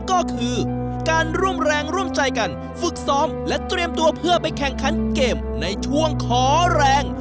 ก็คือการร่วมแรงร่วมใจกันฝึกซ้อมและเตรียมตัวเพื่อไปแข่งขันเกมในช่วงขอแรง